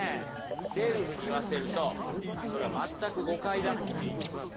レルフに言わせるとそれは全く誤解だっていいます。